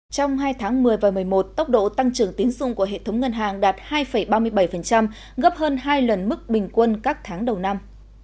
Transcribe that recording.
trong hai tháng một mươi và một mươi một tốc độ tăng trưởng tín dụng của hệ thống ngân hàng đạt hai ba mươi bảy gấp hơn hai lần mức bình quân các tháng đầu năm